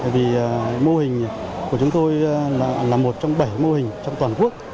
vì mô hình của chúng tôi là một trong bảy mô hình trong toàn quốc